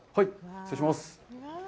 失礼します。